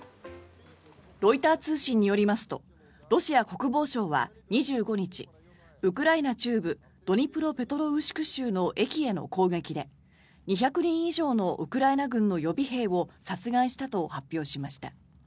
ロイター通信によりますとロシア国防省は２５日ウクライナ中部ドニプロペトロウシク州の駅への攻撃で、２００人以上のウクライナ軍の予備兵を殺害したと発表しました。